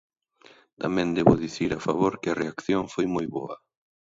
Tamén debo dicir a favor que a reacción foi moi boa.